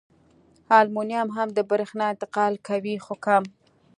المونیم هم د برېښنا انتقال کوي خو کم.